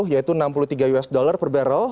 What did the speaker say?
yaitu enam puluh tiga usd per barrel